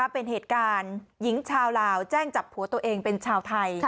เป็นเหตุการณ์หญิงชาวลาวแจ้งจับผัวตัวเองเป็นชาวไทย